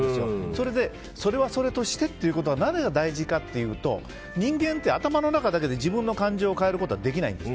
それでそれはそれとしてということはなぜ大事かというと人間って頭の中だけで自分の感情を変えることはできないんです。